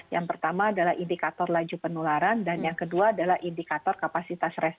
yang pertama adalah indikator laju penularan dan yang kedua adalah indikator kapasitas respon